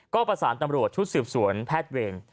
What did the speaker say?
ก็ประสานตำรวจชุดสืบสวนแพทย์เวร